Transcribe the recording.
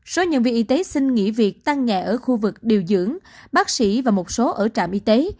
số nhân viên y tế xin nghỉ việc tăng nhẹ ở khu vực điều dưỡng bác sĩ và một số ở trạm y tế